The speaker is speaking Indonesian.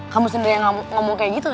kamu sendiri yang ngomong kayak gitu kan